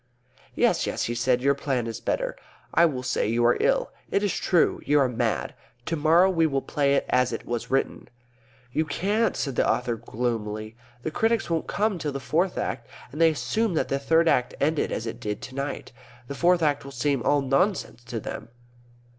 "Yes, yes," he said. "Your plan is better. I will say you are ill. It is true; you are mad. To morrow we will play it as it was written." "You can't," said the author gloomily. "The critics won't come till the Fourth Act and they'll assume that the Third Act ended as it did tonight. The Fourth Act will seem all nonsense to them."